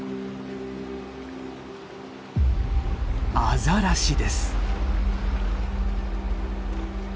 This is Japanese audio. アザラシです。